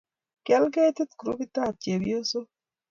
kial ketik groupitab chepyosok